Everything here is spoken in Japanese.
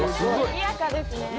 にぎやかですね。